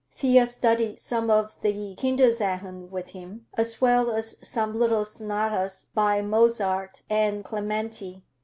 Thea studied some of the Kinderszenen with him, as well as some little sonatas by Mozart and Clementi.